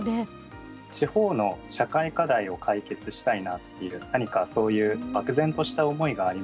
地方の社会課題を解決したいなっていう何かそういう漠然とした思いがありまして。